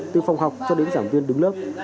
từ phòng học cho đến giảm viên đứng lớp